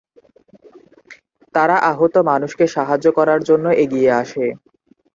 তারা আহত মানুষকে সাহায্য করার জন্য এগিয়ে আসে।